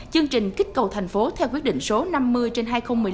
chương trình kích cầu thành phố theo quyết định số năm mươi trên hai nghìn một mươi năm